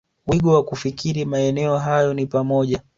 wigo wa kufikiri Maeneo hayo ni pamoja